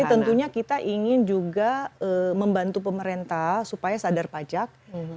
ini tentunya kita ingin juga membantu pemerintah supaya sadar pajak